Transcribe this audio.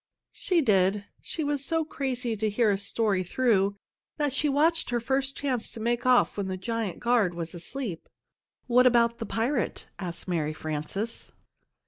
"She did. She was so crazy to hear a story through that she watched her first chance to make off when the giant guard was asleep." "What about the pirate?" asked Mary Frances.